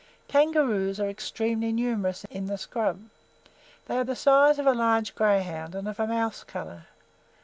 Kangaroos are extremely numerous in the scrub. They are the size of a large greyhound, and of a mouse colour.